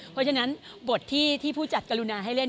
เพราะฉะนั้นบทที่ผู้จัดกรุณาให้เล่น